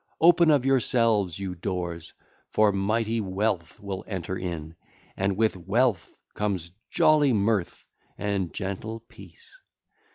Open of yourselves, you doors, for mighty Wealth will enter in, and with Wealth comes jolly Mirth and gentle Peace.